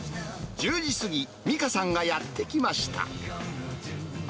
１０時過ぎ、実花さんがやって来ました。